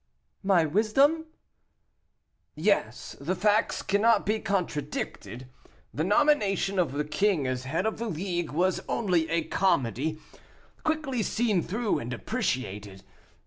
"My wisdom?" "Yes, the facts cannot be contradicted. The nomination of the king as head of the League was only a comedy, quickly seen through and appreciated.